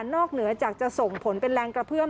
เหนือจากจะส่งผลเป็นแรงกระเพื่อม